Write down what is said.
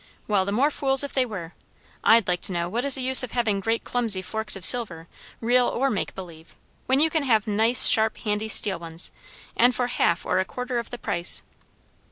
"Well, the more fools if they were. I'd like to know what is the use of having great clumsy forks of silver, real or make believe, when you can have nice, sharp, handy steel ones, and for half or a quarter the price?"